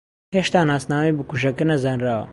ھێشتا ناسنامەی بکوژەکە نەزانراوە.